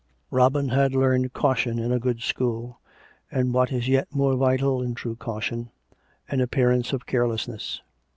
Robin had learned caution in a good school, and what is yet more vital in true caution, an appearance of careless ness.